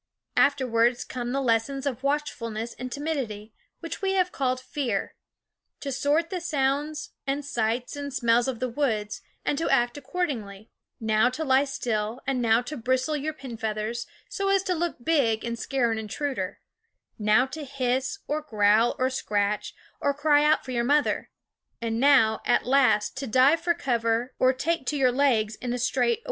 Afterwards come the lessons of watchful ness and timidity, which we have called fear, to sort the sounds and sights and smells of the woods, and to act accordingly; now to lie still, and now to bristle your pinfeathers, so as to look big and scare an intruder; now to hiss, or growl, or scratch, or cry out for your j mother; and now, at last, to dive for cover or take to your legs in a straight